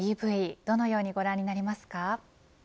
どのようにご覧になりますか。